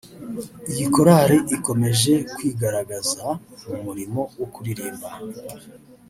Iyi korali ikomeje kwigaragaza mu murimo wo kuririmba